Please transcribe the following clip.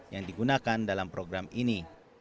yang digunakan dalam program ini